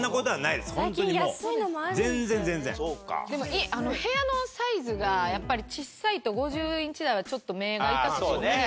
でも部屋のサイズがやっぱり小さいと５０インチ台はちょっと目が痛くて無理なんで。